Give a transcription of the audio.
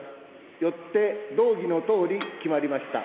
よって動議のとおり決まりました。